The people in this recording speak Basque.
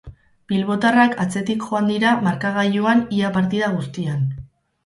Bilbotarrak atzetik joan dira markagailuan ia partida guztian.